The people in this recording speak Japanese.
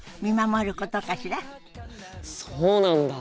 そうなんだ。